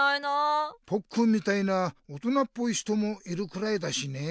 ポッくんみたいな大人っぽい人もいるくらいだしねえ。